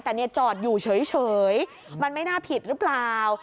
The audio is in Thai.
แต่เนี่ยจอดอยู่เฉยมันไม่น่าผิดหรือเปล่า